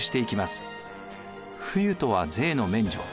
不輸とは税の免除。